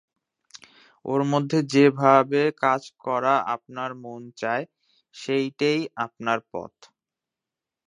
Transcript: ওর মধ্যে যে ভাবে কাজ করা আপনার মন চায় সেইটেই আপনার পথ।